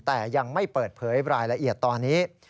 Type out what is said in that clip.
แต่ยังไม่เปิดเผยรายละเอียดตอนนี้